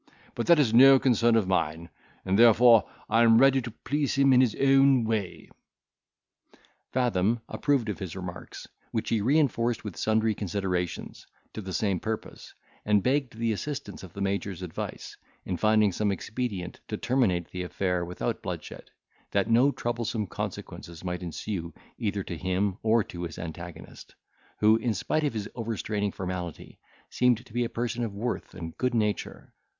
But that is no concern of mine, and therefore I am ready to please him in his own way." Fathom approved of his remarks, which he reinforced with sundry considerations, to the same purpose, and begged the assistance of the major's advice, in finding some expedient to terminate the affair without bloodshed, that no troublesome consequences might ensue either to him or to his antagonist, who, in spite of this overstraining formality, seemed to be a person of worth and good nature.